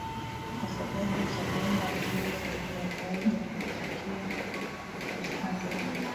kwa sababu utakwenda hatua zaidi ya pale ulipofika copenhagen